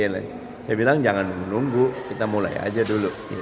saya bilang jangan menunggu kita mulai aja dulu